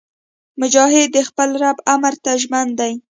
مجاهد د خپل رب امر ته ژمن دی.